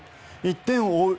１点を追う